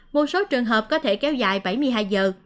một số trường hợp có thể kéo dài bảy mươi hai giờ